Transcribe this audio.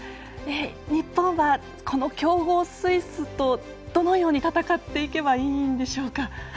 日本は強豪スイスとどのように戦っていけばいいんでしょうか？